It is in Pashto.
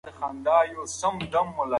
هغه وایي چې انټرنیټ کې هر څه شته.